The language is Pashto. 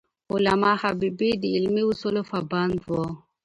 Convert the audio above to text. علامه حبیبي د علمي اصولو پابند و.